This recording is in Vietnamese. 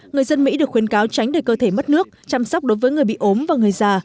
người dân mỹ được khuyến cáo tránh để cơ thể mất nước chăm sóc đối với người bị ốm và người già